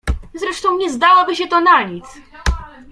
Zresztą nie zdałoby się to na nic!